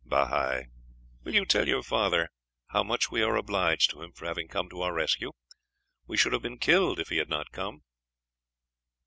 "Bahi, will you tell your father how much we are obliged to him for having come to our rescue. We should have been killed if he had not come."